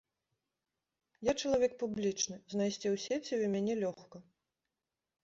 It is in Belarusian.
Я чалавек публічны, знайсці ў сеціве мяне лёгка.